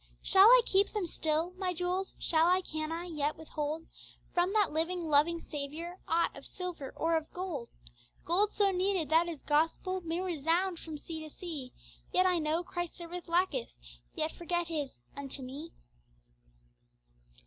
'Shall I keep them still my jewels? Shall I, can I yet withhold From that living, loving Saviour Aught of silver or of gold? Gold so needed, that His gospel May resound from sea to sea; Can I know Christ's service lacketh, Yet forget His "unto Me"!